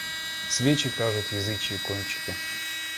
Свечи кажут язычьи кончики.